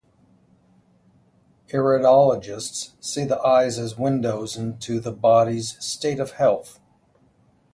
Iridologists see the eyes as "windows" into the body's state of health.